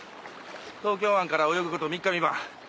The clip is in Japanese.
東京湾から泳ぐこと３日３晩。